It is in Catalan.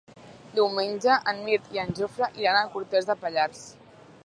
Diumenge en Mirt i en Jofre iran a Cortes de Pallars.